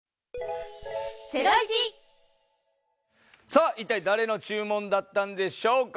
さぁ、一体誰の注文だったんでしょうか？